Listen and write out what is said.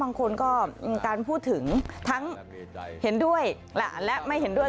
บางคนก็มีการพูดถึงทั้งเห็นด้วยและไม่เห็นด้วย